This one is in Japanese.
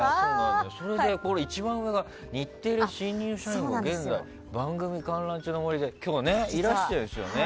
それで、一番上が日テレ新入社員が現在番組観覧中の森で今日いらしているんですよね。